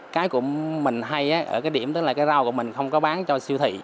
cái của mình hay ở cái điểm tức là cái rau của mình không có bán cho siêu thị